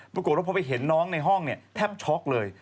ปรากฏว่าพอไปเห็นน้องในห้องแทบช็อกเลย